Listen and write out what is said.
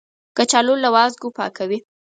کچالو له وازګو پاکوي